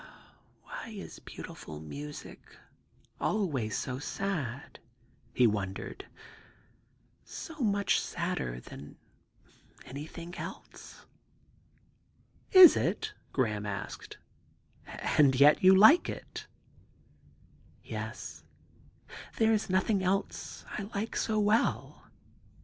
* Why is beautiful music always so sad ?' he wondered ;^ so much sadder than anything else ?'* Is it ?' Graham asked. * And yet you like it I '* Yes ; there is nothing else I like so well.